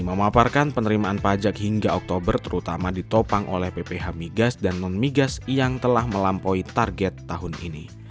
memaparkan penerimaan pajak hingga oktober terutama ditopang oleh pph migas dan non migas yang telah melampaui target tahun ini